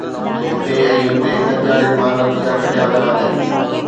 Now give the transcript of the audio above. هتي ۽ اتي گڏجاڻين مان نتيجا ڪڍيا پيا وڃن